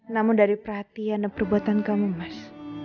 namun dari perhatian dan perbuatan kamu mas